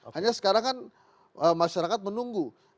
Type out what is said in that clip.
hanya sekarang kan masyarakat menunggu